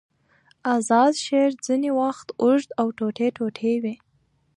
آزاد شعر ځینې وختونه اوږد او ټوټې ټوټې وي.